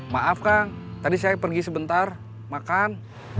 maaf kang tadi saya pergi sebentar makan